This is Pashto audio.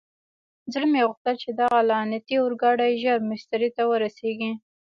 زړه مې غوښتل چې دغه لعنتي اورګاډی ژر مېسترې ته ورسېږي.